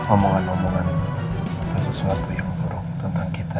omongan omongan itu sesuatu yang buruk tentang kita